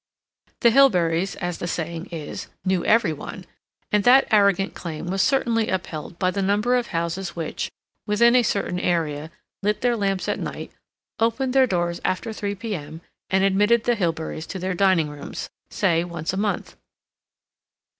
The Hilberys, as the saying is, "knew every one," and that arrogant claim was certainly upheld by the number of houses which, within a certain area, lit their lamps at night, opened their doors after 3 p. m., and admitted the Hilberys to their dining rooms, say, once a month.